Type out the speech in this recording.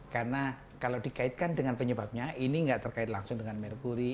karena kalau dikaitkan dengan penyebabnya ini nggak terkait langsung dengan merkuri